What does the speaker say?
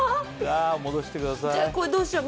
これ、どうしよう。